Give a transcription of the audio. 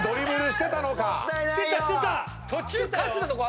してたよ。